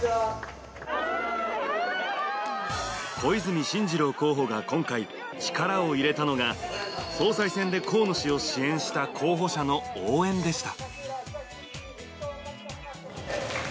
小泉進次郎候補が今回、力を入れたのが総裁選で河野氏を支援した候補者の応援でした。